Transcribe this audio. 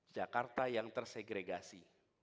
jakarta yang tersegregasi